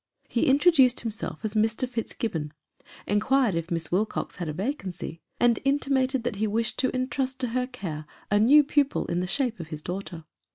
He introduced himself as Mr. Fitzgibbon, inquired if Miss Wilcox had a vacancy, and intimated that he wished to intrust to her care a new pupil in the shape of his daughter.